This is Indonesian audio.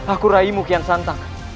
aku raimu kian santang